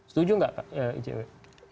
setuju nggak pak